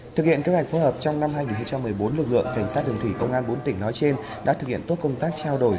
thực hiện kế hoạch phối hợp trong năm hai nghìn một mươi bốn lực lượng cảnh sát đường thủy công an bốn tỉnh nói trên đã thực hiện tốt công tác trao đổi